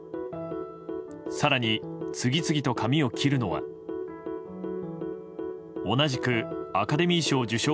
更に、次々と髪を切るのは同じくアカデミー賞受賞